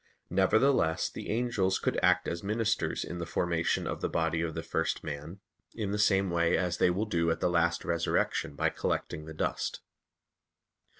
Nevertheless the angels could act as ministers in the formation of the body of the first man, in the same way as they will do at the last resurrection by collecting the dust.